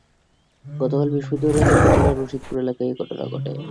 গতকাল বৃহস্পতিবার রাতে উপজেলার রশিদপুর এলাকায় এ ঘটনা ঘটে।